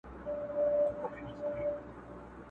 چي زوړ یار مي له اغیار سره خمسور سو؛